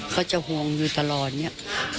เขาจะห่วงอยู่ตลอดเนี่ย